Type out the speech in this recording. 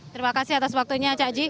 terima kasih atas waktunya cak ji